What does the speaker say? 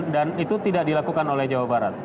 dan itu tidak dilakukan oleh jawa barat